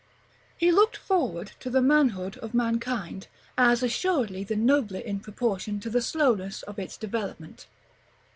He looked forward to the manhood of mankind, as assuredly the nobler in proportion to the slowness of its developement.